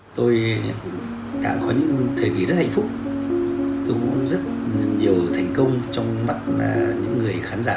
ừ tôi đã có những thời kỳ rất hạnh phúc cũng rất nhiều thành công trong mặt là những người khán giả